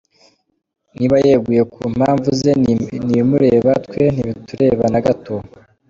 Niba yeguye ku mpamvu ze ni ibimureba, twe ntibitureba na gato.